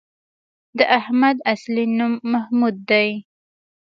د احمد اصلی نوم محمود دی